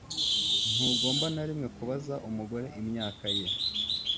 Ntugomba na rimwe kubaza umugore imyaka ye.